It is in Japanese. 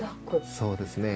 そうですね。